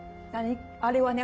あれはね